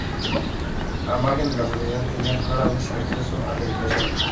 Al margen de la sociedad, tenían rara vez acceso a la educación.